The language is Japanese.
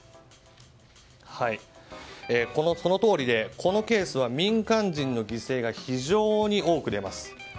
このとおりで、このケースは民間人の犠牲が非常に多く出ます。